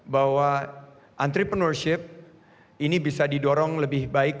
bahwa entrepreneurship ini bisa didorong lebih baik